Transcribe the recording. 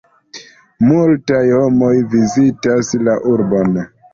Multaj homoj vizitas la urbon.